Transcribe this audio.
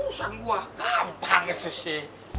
perusahaan gua gampang ya susi